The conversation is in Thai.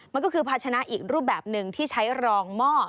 มันก็คือภาชนะอีกรูปแบบหนึ่งที่ใช้รองหม้อ